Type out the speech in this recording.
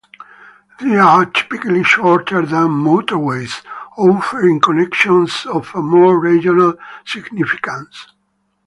They are typically shorter than motorways, offering connections of a more regional significance.